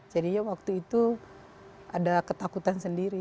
jadinya waktu itu ada ketakutan sendiri